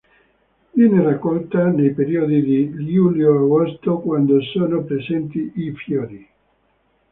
Viene raccolta nei periodi di luglio-agosto quando sono presenti i fiori.